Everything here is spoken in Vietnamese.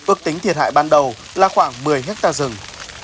ước tính thiệt hại ban đầu là khoảng một mươi hectare rừng